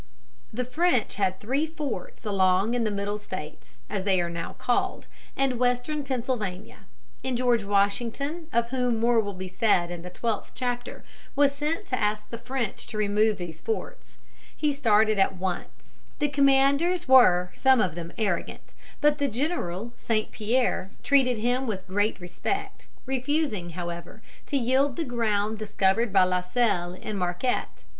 The French had three forts along in the Middle States, as they are now called, and Western Pennsylvania; and George Washington, of whom more will be said in the twelfth chapter, was sent to ask the French to remove these forts. He started at once. [Illustration: PLEASURE OF BEING ARRESTED IN PARIS.] The commanders were some of them arrogant, but the general, St. Pierre, treated him with great respect, refusing, however, to yield the ground discovered by La Salle and Marquette.